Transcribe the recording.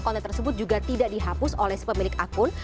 konten tersebut juga tidak dihapus oleh sepemilik akun